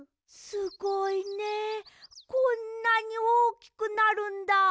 すごいねこんなにおおきくなるんだ。